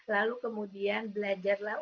lalu kemudian belajarlah